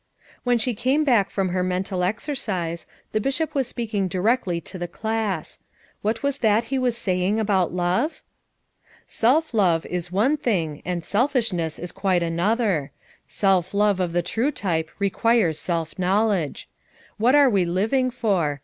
When she came back from her mental exer cise, the Bishop was speaking directly to the class. What was that he was saying about love? "Self love is one thing and selfishness is quite another. Self love of the true type re quires self knowledge. What are we living for?